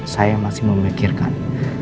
saya masih memikirkan